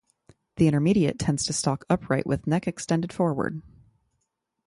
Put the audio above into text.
The intermediate tends to stalk upright with neck extended forward.